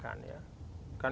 sangat egaliter bahkan